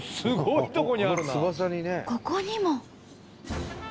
ここにも。